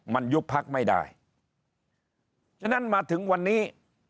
มันยุบพักไม่ได้ฉะนั้นมาถึงวันนี้